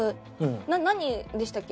何でしたっけ？